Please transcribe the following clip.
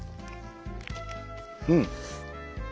うん。